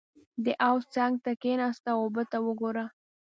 • د حوض څنګ ته کښېنه او اوبه ته وګوره.